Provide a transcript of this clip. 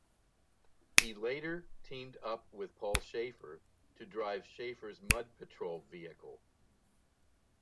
He later teamed up with Paul Shafer to drive Shafer's Mud Patrol vehicle.